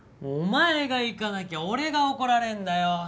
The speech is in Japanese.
お前が行かなきゃ俺が怒られんだよ！